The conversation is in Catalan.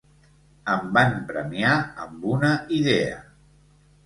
Em van premiar amb una idea.